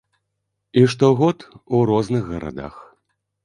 І штогод у розных гарадах.